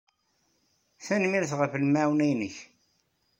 Tanemmirt ɣef lemɛawna-nnek.